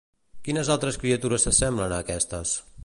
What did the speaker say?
Quines altres criatures s'assemblen a aquestes?